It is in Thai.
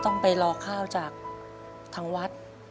ต้องไปรอข้าวจากทางวัด